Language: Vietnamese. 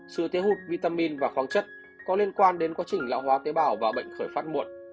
sử thiếu hụt vitamin và khoáng chất có liên quan đến quá trình lão hóa tế bào và bệnh khởi phát muộn